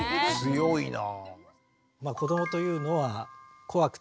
強いな。